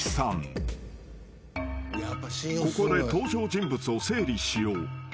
［ここで登場人物を整理しよう］